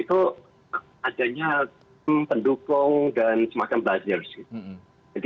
itu adanya pendukung pendukung pendukung yang lebih positif